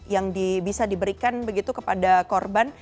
yang bisa diberikan begitu kepada korban